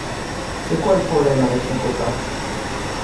C’est quoi, le problème, avec son copain ?